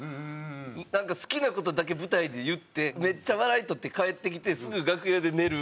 なんか好きな事だけ舞台で言ってめっちゃ笑いとって帰ってきてすぐ楽屋で寝る。